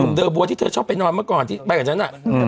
เดอร์บัวที่เธอชอบไปนอนเมื่อก่อนที่ไปกับฉัน